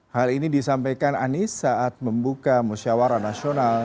hal ini disampaikan anies saat membuka musyawara nasional